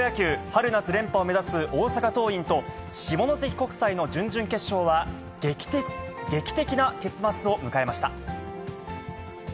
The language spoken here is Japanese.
春夏連覇を目指す大阪桐蔭と、下関国際の準々決勝は、劇的な結末を迎えました。